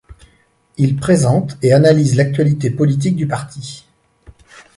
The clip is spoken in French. Il présente et analyse l'actualité politique du parti.